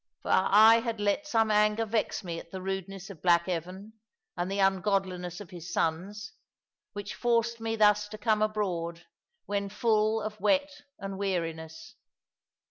For I had let some anger vex me at the rudeness of black Evan, and the ungodliness of his sons, which forced me thus to come abroad, when full of wet and weariness.